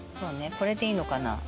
これでいいのかな。